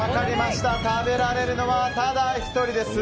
食べられるのはただ１人です。